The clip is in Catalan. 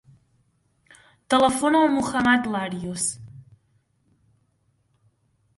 Telefona al Muhammad Larios.